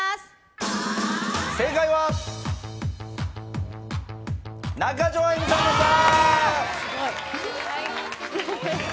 正解は中条あやみさんでした。